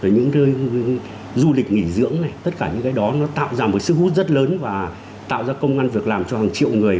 những nơi du lịch nghỉ dưỡng này tất cả những cái đó nó tạo ra một sức hút rất lớn và tạo ra công an việc làm cho hàng triệu người